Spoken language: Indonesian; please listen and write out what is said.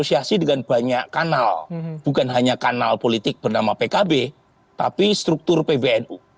jadi ini terasosiasi dengan banyak kanal bukan hanya kanal politik bernama pkb tapi struktur pbnu